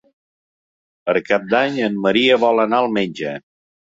Per Cap d'Any en Maria vol anar al metge.